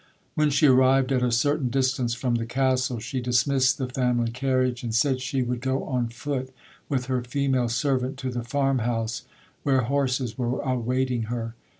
'When she arrived at a certain distance from the Castle, she dismissed the family carriage, and said she would go on foot with her female servant to the farmhouse where horses were awaiting her.